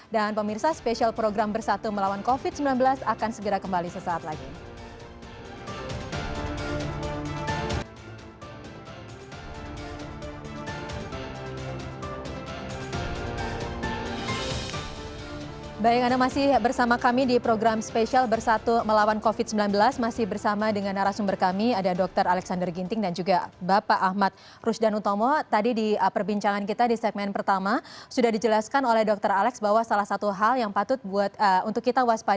dan pemirsa spesial program bersatu melawan covid sembilan belas akan segera kembali sesaat lagi